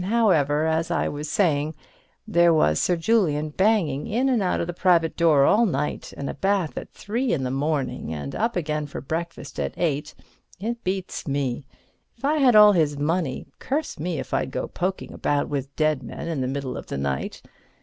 However, as I was saying, there was Sir Julian banging in and out of the private door all night, and a bath at three in the morning, and up again for breakfast at eight—it beats me. If I had all his money, curse me if I'd go poking about with dead men in the middle of the night.